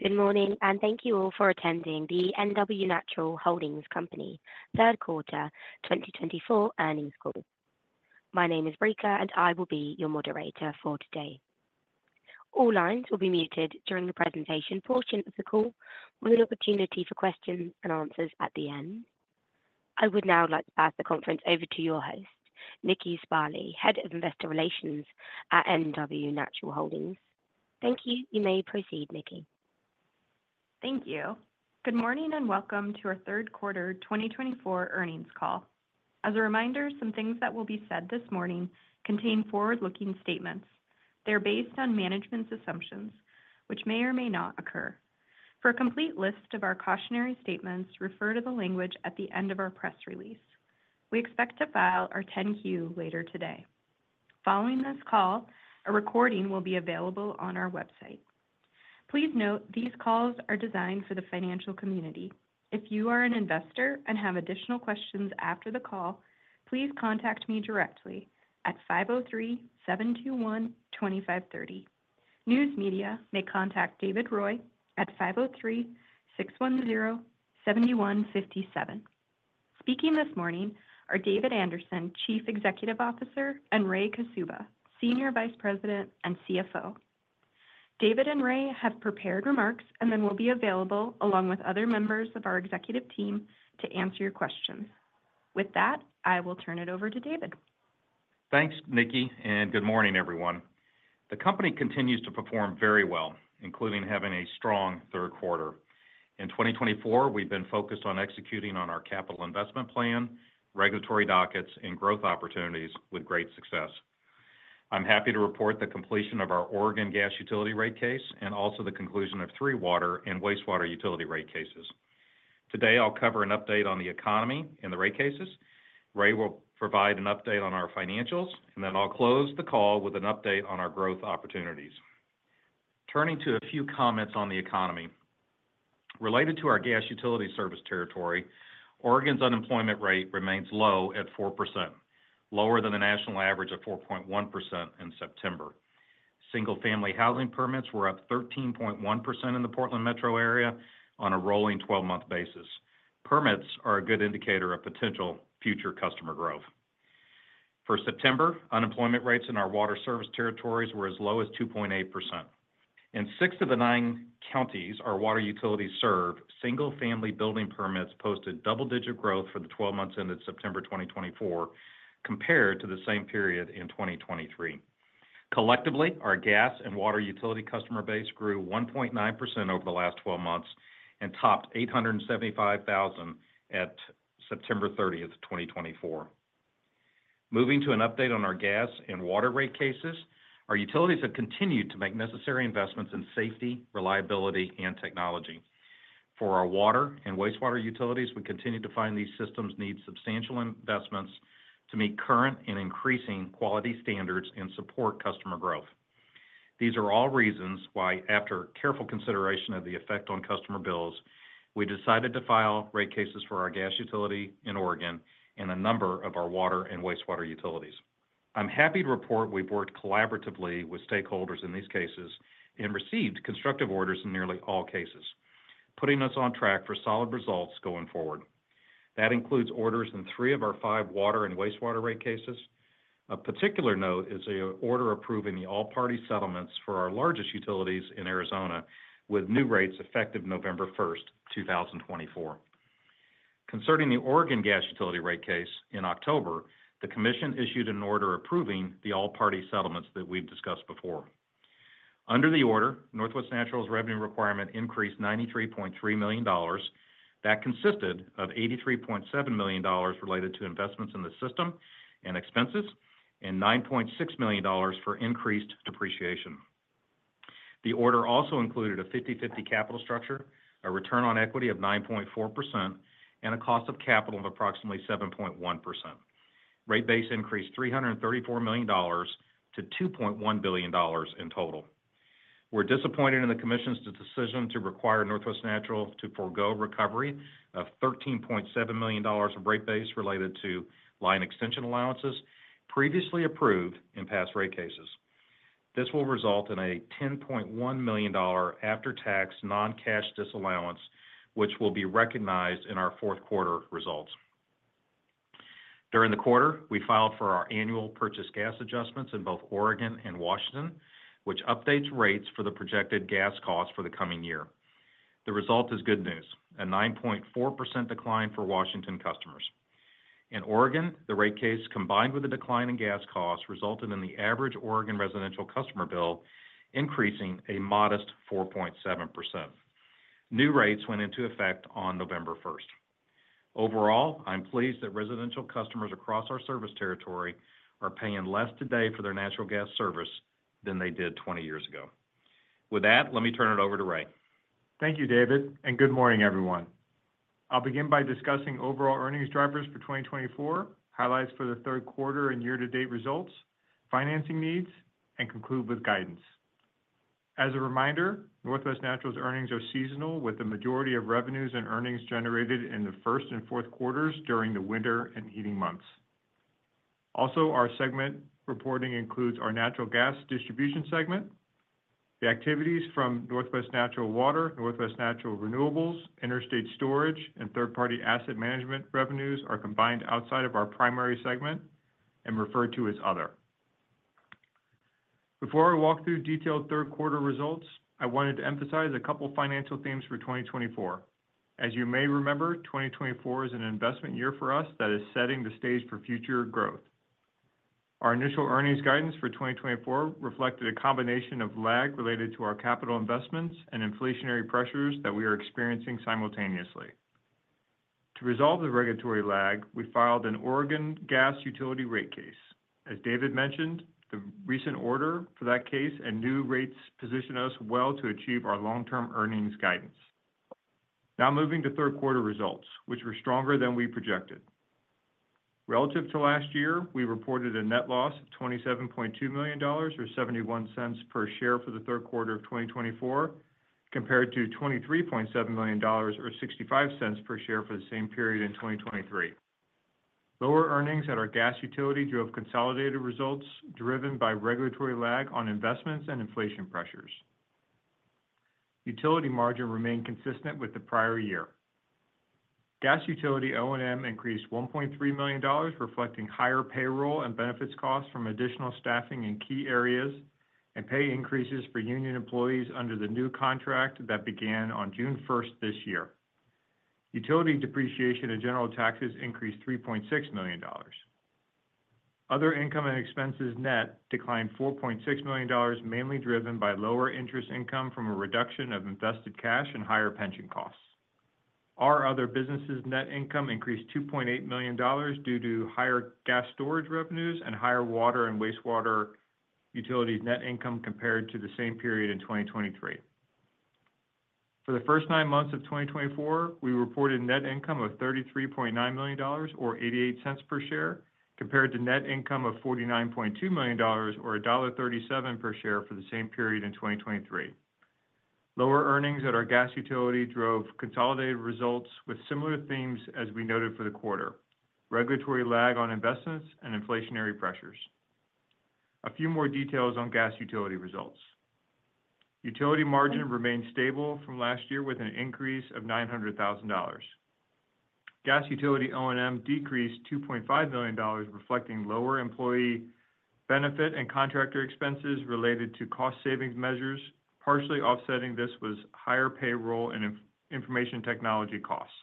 Good morning, and thank you all for attending the Northwest Natural Holding Company third quarter 2024 earnings call. My name is Breaker, and I will be your moderator for today. All lines will be muted during the presentation portion of the call, with an opportunity for questions and answers at the end. I would now like to pass the conference over to your host, Nikki Sparling, Head of Investor Relations at Northwest Natural Holding Company. Thank you. You may proceed, Nikki. Thank you. Good morning and welcome to our third quarter 2024 earnings call. As a reminder, some things that will be said this morning contain forward-looking statements. They're based on management's assumptions, which may or may not occur. For a complete list of our cautionary statements, refer to the language at the end of our press release. We expect to file our 10-Q later today. Following this call, a recording will be available on our website. Please note these calls are designed for the financial community. If you are an investor and have additional questions after the call, please contact me directly at 503-721-2530. News media may contact David Roy at 503-610-7157. Speaking this morning are David Anderson, Chief Executive Officer, and Ray Kaszuba, Senior Vice President and CFO. David and Ray have prepared remarks and then will be available along with other members of our executive team to answer your questions. With that, I will turn it over to David. Thanks, Nikki, and good morning, everyone. The company continues to perform very well, including having a strong third quarter. In 2024, we've been focused on executing on our capital investment plan, regulatory dockets, and growth opportunities with great success. I'm happy to report the completion of our Oregon gas utility rate case and also the conclusion of three water and wastewater utility rate cases. Today, I'll cover an update on the economy and the rate cases. Ray will provide an update on our financials, and then I'll close the call with an update on our growth opportunities. Turning to a few comments on the economy, related to our gas utility service territory, Oregon's unemployment rate remains low at 4%, lower than the national average of 4.1% in September. Single-family housing permits were up 13.1% in the Portland metro area on a rolling 12-month basis. Permits are a good indicator of potential future customer growth. For September, unemployment rates in our water service territories were as low as 2.8%. In six of the nine counties our water utilities serve, single-family building permits posted double-digit growth for the 12 months ended September 2024, compared to the same period in 2023. Collectively, our gas and water utility customer base grew 1.9% over the last 12 months and topped 875,000 at September 30th, 2024. Moving to an update on our gas and water rate cases, our utilities have continued to make necessary investments in safety, reliability, and technology. For our water and wastewater utilities, we continue to find these systems need substantial investments to meet current and increasing quality standards and support customer growth. These are all reasons why, after careful consideration of the effect on customer bills, we decided to file rate cases for our gas utility in Oregon and a number of our water and wastewater utilities. I'm happy to report we've worked collaboratively with stakeholders in these cases and received constructive orders in nearly all cases, putting us on track for solid results going forward. That includes orders in three of our five water and wastewater rate cases. A particular note is the order approving the all-party settlements for our largest utilities in Arizona, with new rates effective November 1st, 2024. Concerning the Oregon gas utility rate case, in October, the commission issued an order approving the all-party settlements that we've discussed before. Under the order, Northwest Natural's revenue requirement increased $93.3 million. That consisted of $83.7 million related to investments in the system and expenses and $9.6 million for increased depreciation. The order also included a 50/50 capital structure, a return on equity of 9.4%, and a cost of capital of approximately 7.1%. Rate base increased $334 million to $2.1 billion in total. We're disappointed in the commission's decision to require Northwest Natural to forego recovery of $13.7 million of rate base related to line extension allowances previously approved in past rate cases. This will result in a $10.1 million after-tax non-cash disallowance, which will be recognized in our fourth quarter results. During the quarter, we filed for our annual Purchased Gas Adjustments in both Oregon and Washington, which updates rates for the projected gas cost for the coming year. The result is good news, a 9.4% decline for Washington customers. In Oregon, the rate case combined with the decline in gas costs resulted in the average Oregon residential customer bill increasing a modest 4.7%. New rates went into effect on November 1st. Overall, I'm pleased that residential customers across our service territory are paying less today for their natural gas service than they did 20 years ago. With that, let me turn it over to Ray. Thank you, David, and good morning, everyone. I'll begin by discussing overall earnings drivers for 2024, highlights for the third quarter and year-to-date results, financing needs, and conclude with guidance. As a reminder, Northwest Natural's earnings are seasonal, with the majority of revenues and earnings generated in the first and fourth quarters during the winter and heating months. Also, our segment reporting includes our natural gas distribution segment. The activities from Northwest Natural Water, Northwest Natural Renewables, Interstate Storage, and Third Party Asset Management revenues are combined outside of our primary segment and referred to as Other. Before I walk through detailed third quarter results, I wanted to emphasize a couple of financial themes for 2024. As you may remember, 2024 is an investment year for us that is setting the stage for future growth. Our initial earnings guidance for 2024 reflected a combination of lag related to our capital investments and inflationary pressures that we are experiencing simultaneously. To resolve the regulatory lag, we filed an Oregon gas utility rate case. As David mentioned, the recent order for that case and new rates position us well to achieve our long-term earnings guidance. Now moving to third quarter results, which were stronger than we projected. Relative to last year, we reported a net loss of $27.2 million or $0.71 per share for the third quarter of 2024, compared to $23.7 million or $0.65 per share for the same period in 2023. Lower earnings at our gas utility drove consolidated results driven by regulatory lag on investments and inflation pressures. Utility margin remained consistent with the prior year. Gas utility O&M increased $1.3 million, reflecting higher payroll and benefits costs from additional staffing in key areas and pay increases for union employees under the new contract that began on June 1st this year. Utility depreciation and general taxes increased $3.6 million. Other income and expenses net declined $4.6 million, mainly driven by lower interest income from a reduction of invested cash and higher pension costs. Our other businesses' net income increased $2.8 million due to higher gas storage revenues and higher water and wastewater utilities net income compared to the same period in 2023. For the first nine months of 2024, we reported net income of $33.9 million or $0.88 per share, compared to net income of $49.2 million or $1.37 per share for the same period in 2023. Lower earnings at our gas utility drove consolidated results with similar themes as we noted for the quarter: regulatory lag on investments and inflationary pressures. A few more details on gas utility results. Utility margin remained stable from last year, with an increase of $900,000. Gas utility O&M decreased $2.5 million, reflecting lower employee benefit and contractor expenses related to cost-saving measures. Partially offsetting this was higher payroll and information technology costs.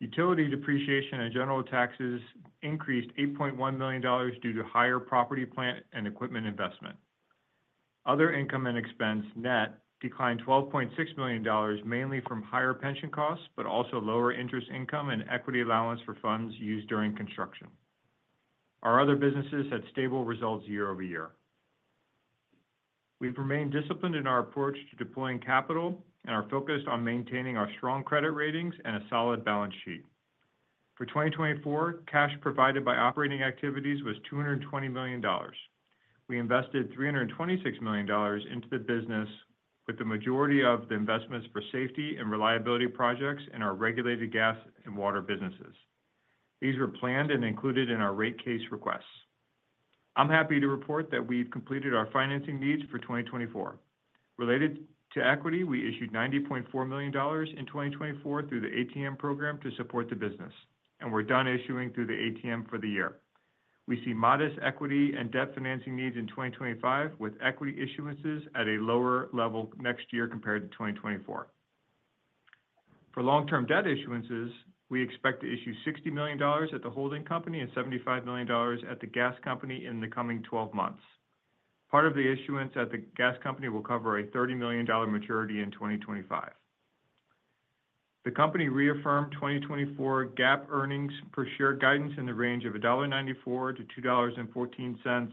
Utility depreciation and general taxes increased $8.1 million due to higher property plant and equipment investment. Other income and expense net declined $12.6 million, mainly from higher pension costs, but also lower interest income and equity allowance for funds used during construction. Our other businesses had stable results year-over-year. We've remained disciplined in our approach to deploying capital and are focused on maintaining our strong credit ratings and a solid balance sheet. For 2024, cash provided by operating activities was $220 million. We invested $326 million into the business, with the majority of the investments for safety and reliability projects in our regulated gas and water businesses. These were planned and included in our rate case requests. I'm happy to report that we've completed our financing needs for 2024. Related to equity, we issued $90.4 million in 2024 through the ATM program to support the business, and we're done issuing through the ATM for the year. We see modest equity and debt financing needs in 2025, with equity issuances at a lower level next year compared to 2024. For long-term debt issuances, we expect to issue $60 million at the holding company and $75 million at the gas company in the coming 12 months. Part of the issuance at the gas company will cover a $30 million maturity in 2025. The company reaffirmed 2024 GAAP earnings per share guidance in the range of $1.94-$2.14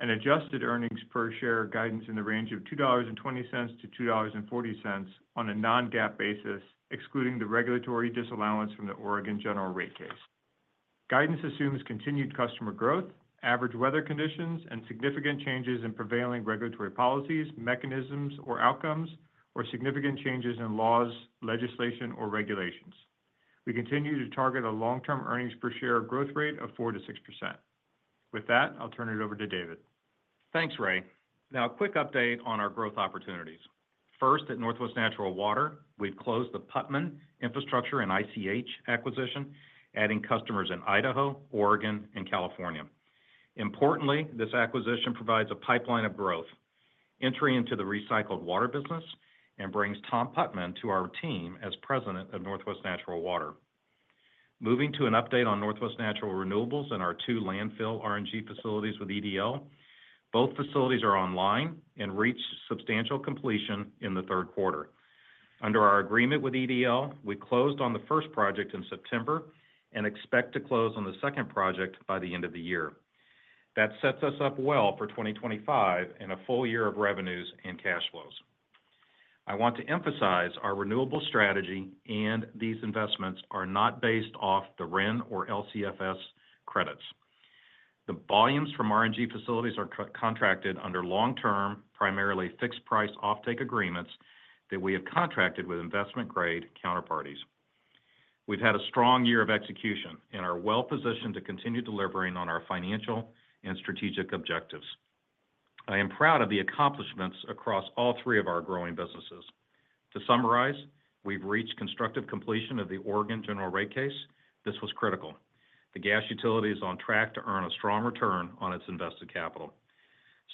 and adjusted earnings per share guidance in the range of $2.20-$2.40 on a non-GAAP basis, excluding the regulatory disallowance from the Oregon general rate case. Guidance assumes continued customer growth, average weather conditions, and significant changes in prevailing regulatory policies, mechanisms, or outcomes, or significant changes in laws, legislation, or regulations. We continue to target a long-term earnings per share growth rate of 4%-6%. With that, I'll turn it over to David. Thanks, Ray. Now, a quick update on our growth opportunities. First, at Northwest Natural Water, we've closed the Puttman Infrastructure and ICH acquisition, adding customers in Idaho, Oregon, and California. Importantly, this acquisition provides a pipeline of growth, entering into the recycled water business and brings Tom Puttman to our team as president of Northwest Natural Water. Moving to an update on Northwest Natural Renewables and our two landfill RNG facilities with EDL. Both facilities are online and reached substantial completion in the third quarter. Under our agreement with EDL, we closed on the first project in September and expect to close on the second project by the end of the year. That sets us up well for 2025 and a full year of revenues and cash flows. I want to emphasize our renewable strategy and these investments are not based off the RIN or LCFS credits. The volumes from RNG facilities are contracted under long-term, primarily fixed-price offtake agreements that we have contracted with investment-grade counterparties. We've had a strong year of execution and are well-positioned to continue delivering on our financial and strategic objectives. I am proud of the accomplishments across all three of our growing businesses. To summarize, we've reached constructive completion of the Oregon general rate case. This was critical. The gas utility is on track to earn a strong return on its invested capital.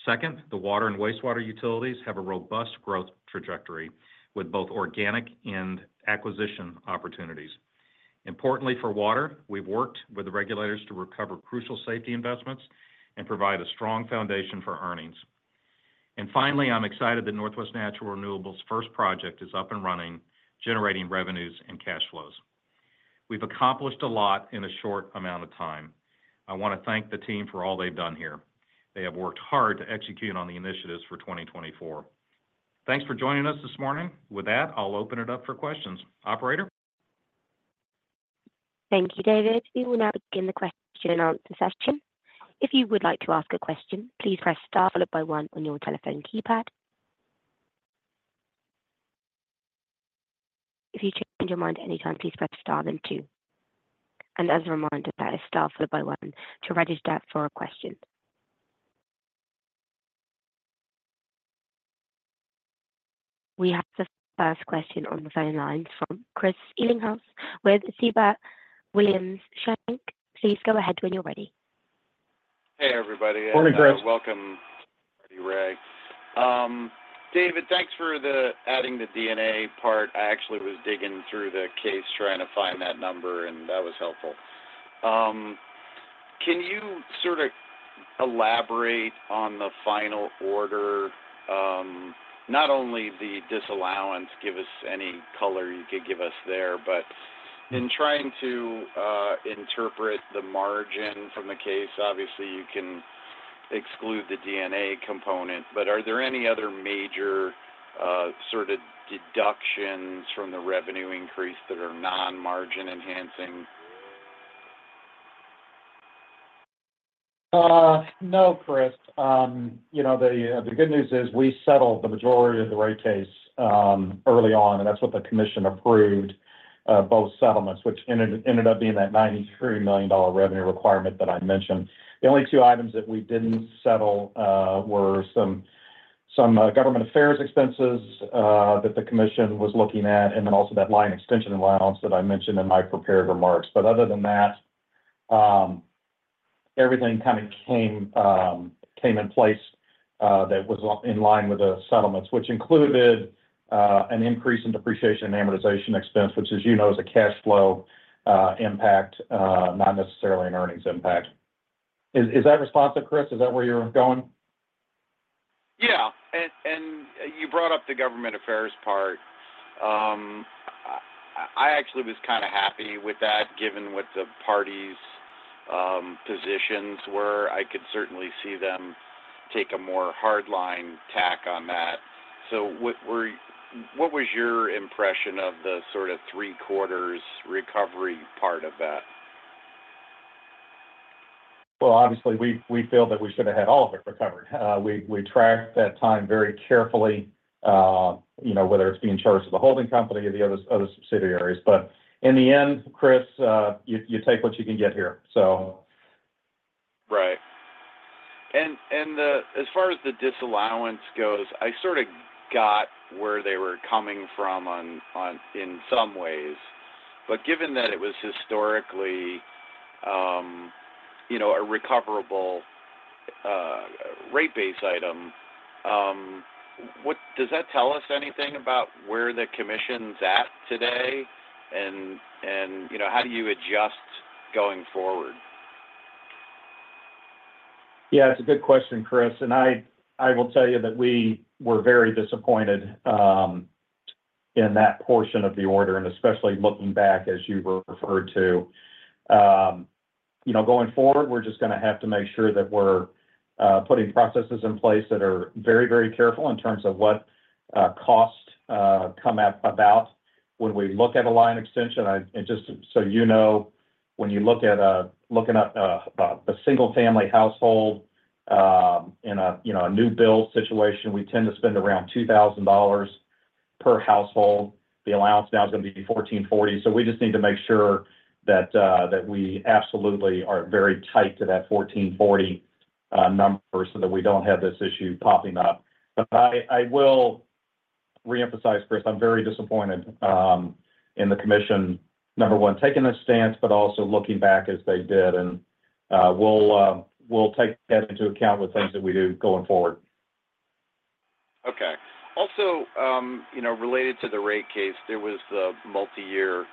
Second, the water and wastewater utilities have a robust growth trajectory with both organic and acquisition opportunities. Importantly, for water, we've worked with the regulators to recover crucial safety investments and provide a strong foundation for earnings. And finally, I'm excited that Northwest Natural Renewables' first project is up and running, generating revenues and cash flows. We've accomplished a lot in a short amount of time. I want to thank the team for all they've done here. They have worked hard to execute on the initiatives for 2024. Thanks for joining us this morning. With that, I'll open it up for questions. Operator. Thank you, David. We will now begin the question-and-answer session. If you would like to ask a question, please press Star followed by One on your telephone keypad. If you change your mind at any time, please press Star then Two. And as a reminder, that is Star followed by One to register for a question. We have the first question on the phone lines from Chris Ellinghaus with Siebert Williams Shank. Please go ahead when you're ready. Hey, everybody. Morning, Chris. Welcome, Ray. David, thanks for adding the D&A part. I actually was digging through the case trying to find that number, and that was helpful. Can you sort of elaborate on the final order? Not only the disallowance, give us any color you could give us there, but in trying to interpret the margin from the case, obviously, you can exclude the D&A component. But are there any other major sort of deductions from the revenue increase that are non-margin enhancing? No, Chris. You know, the good news is we settled the majority of the rate case early on, and that's what the commission approved, both settlements, which ended up being that $93 million revenue requirement that I mentioned. The only two items that we didn't settle were some government affairs expenses that the commission was looking at, and then also that line extension allowance that I mentioned in my prepared remarks. But other than that, everything kind of came in place that was in line with the settlements, which included an increase in depreciation and amortization expense, which, as you know, is a cash flow impact, not necessarily an earnings impact. Is that responsive, Chris? Is that where you're going? Yeah. And you brought up the government affairs part. I actually was kind of happy with that, given what the parties' positions were. I could certainly see them take a more hard-line tack on that. So what was your impression of the sort of three-quarters recovery part of that? Obviously, we feel that we should have had all of it recovered. We tracked that time very carefully, whether it's being charged to the holding company or the other subsidiaries. But in the end, Chris, you take what you can get here, so. Right. And as far as the disallowance goes, I sort of got where they were coming from in some ways. But given that it was historically a recoverable rate-based item, does that tell us anything about where the commission's at today? And how do you adjust going forward? Yeah, it's a good question, Chris. I will tell you that we were very disappointed in that portion of the order, and especially looking back, as you referred to. Going forward, we're just going to have to make sure that we're putting processes in place that are very, very careful in terms of what costs come about when we look at a line extension. Just so you know, when you look at a single-family household in a new-build situation, we tend to spend around $2,000 per household. The allowance now is going to be $1,440. We just need to make sure that we absolutely are very tight to that $1,440 number so that we don't have this issue popping up. I will reemphasize, Chris, I'm very disappointed in the commission, number one, taking a stance, but also looking back as they did. We'll take that into account with things that we do going forward. Okay. Also, related to the rate case, there was the multi-year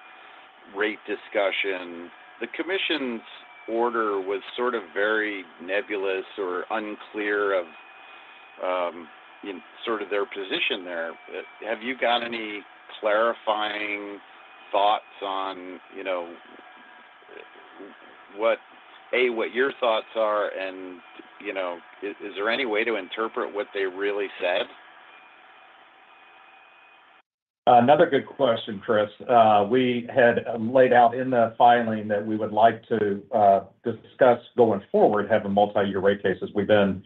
rate discussion. The commission's order was sort of very nebulous or unclear of sort of their position there. Have you got any clarifying thoughts on, A, what your thoughts are, and is there any way to interpret what they really said? Another good question, Chris. We had laid out in the filing that we would like to discuss going forward, have a multi-year rate case. We've been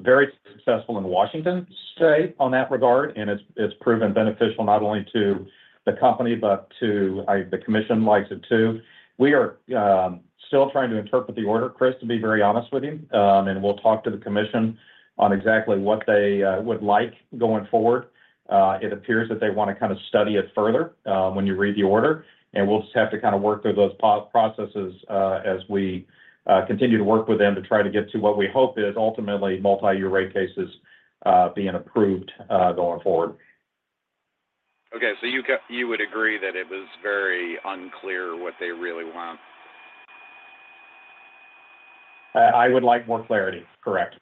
very successful in Washington State on that regard, and it's proven beneficial not only to the company, but to the commission, likes it too. We are still trying to interpret the order, Chris, to be very honest with you, and we'll talk to the commission on exactly what they would like going forward. It appears that they want to kind of study it further when you read the order, and we'll just have to kind of work through those processes as we continue to work with them to try to get to what we hope is ultimately multi-year rate cases being approved going forward. Okay. So you would agree that it was very unclear what they really want? I would like more clarity. Correct.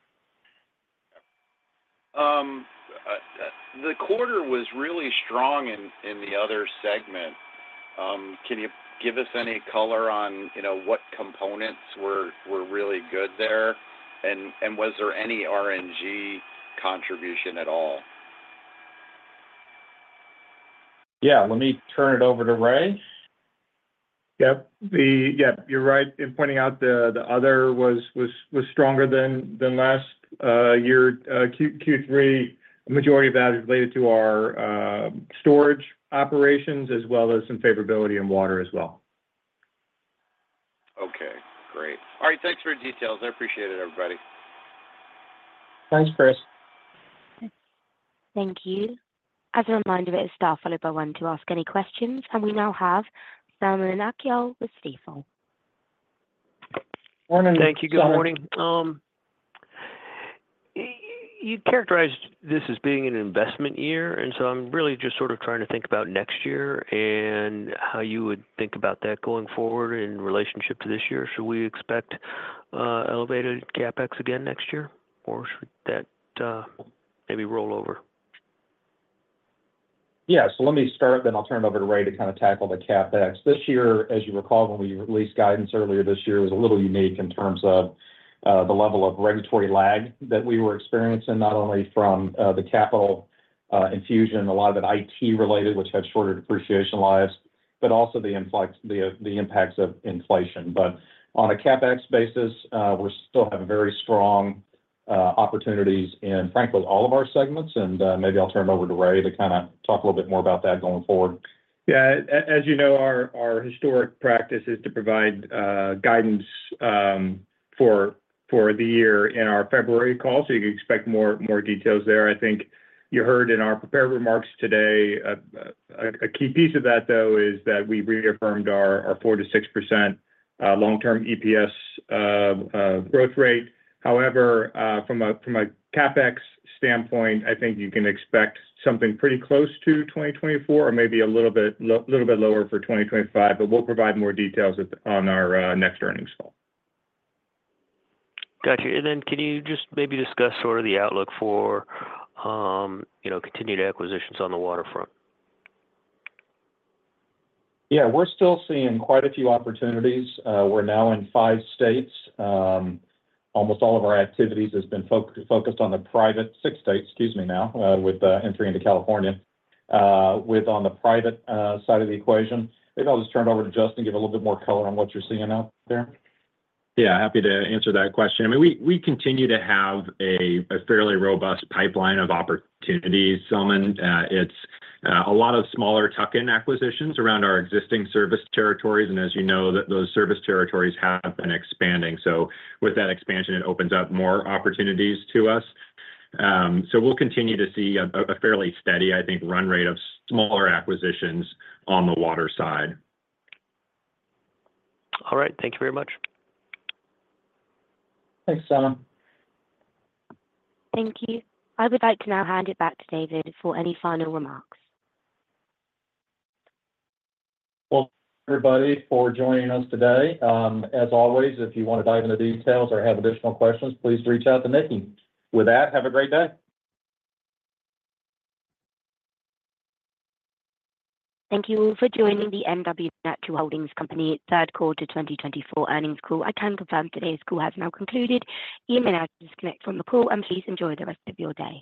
The quarter was really strong in the other segment. Can you give us any color on what components were really good there? And was there any RNG contribution at all? Yeah. Let me turn it over to Ray. Yeah. You're right in pointing out the weather was stronger than last year, Q3. A majority of that is related to our storage operations, as well as some favorability in water as well. Okay. Great. All right. Thanks for the details. I appreciate it, everybody. Thanks, Chris. Thank you. As a reminder, it is Star followed by One to ask any questions. And we now have Selman Akyol with Stifel. Morning. Thank you. Good morning. You characterized this as being an investment year. And so I'm really just sort of trying to think about next year and how you would think about that going forward in relationship to this year. Should we expect elevated CapEx again next year, or should that maybe roll over? Yeah. So let me start, then I'll turn it over to Ray to kind of tackle the CapEx. This year, as you recall, when we released guidance earlier this year, it was a little unique in terms of the level of regulatory lag that we were experiencing, not only from the capital infusion, a lot of it IT-related, which had shorter depreciation lives, but also the impacts of inflation. But on a CapEx basis, we still have very strong opportunities in, frankly, all of our segments. And maybe I'll turn it over to Ray to kind of talk a little bit more about that going forward. Yeah. As you know, our historic practice is to provide guidance for the year in our February call. So you can expect more details there. I think you heard in our prepared remarks today. A key piece of that, though, is that we reaffirmed our 4%-6% long-term EPS growth rate. However, from a CapEx standpoint, I think you can expect something pretty close to 2024 or maybe a little bit lower for 2025. But we'll provide more details on our next earnings call. Gotcha. And then can you just maybe discuss sort of the outlook for continued acquisitions on the waterfront? Yeah. We're still seeing quite a few opportunities. We're now in five states. Almost all of our activities have been focused on the Pacific states, excuse me, now, with entry into California, with on the private side of the equation. Maybe I'll just turn it over to Justin to give a little bit more color on what you're seeing out there. Yeah. Happy to answer that question. I mean, we continue to have a fairly robust pipeline of opportunities, Selman. It's a lot of smaller tuck-in acquisitions around our existing service territories. And as you know, those service territories have been expanding. So with that expansion, it opens up more opportunities to us. So we'll continue to see a fairly steady, I think, run rate of smaller acquisitions on the water side. All right. Thank you very much. Thanks, Selman. Thank you. I would like to now hand it back to David for any final remarks. Everybody, for joining us today. As always, if you want to dive into details or have additional questions, please reach out to Nikki. With that, have a great day. Thank you all for joining the Northwest Natural Holding Company third quarter 2024 earnings call. I can confirm today's call has now concluded. You may now disconnect from the call, and please enjoy the rest of your day.